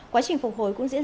quá trình phục hồi cũng diễn ra